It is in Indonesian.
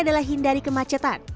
adalah hindari kemacetan